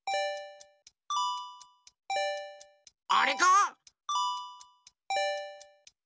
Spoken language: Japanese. あれか？